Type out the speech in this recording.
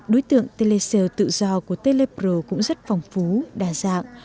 đối tượng telecell tự do của telepro cũng rất phòng phú đa dạng